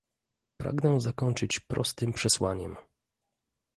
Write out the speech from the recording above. Pragnę zakończyć prostym przesłaniem